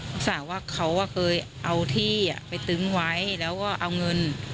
สาวว่าเขาเคยเอาที่ไปตึ้งไว้แล้วก็เอาเงิน